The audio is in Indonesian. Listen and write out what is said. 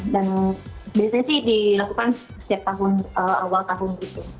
dan biasanya sih dilakukan setiap awal tahun itu